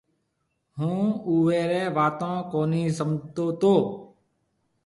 هُون اويري واتون ڪونَي سمجهتو تو